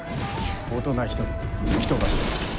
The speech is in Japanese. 大人１人、吹き飛ばした。